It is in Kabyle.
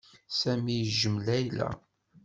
Sami yejjem Layla.